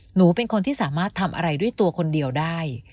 หนูเป็นคนที่สามารถทำอะไรด้วยตัวคนเดียวได้